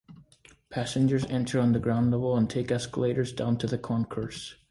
Passengers enter on the ground level and take escalators down to the concourse.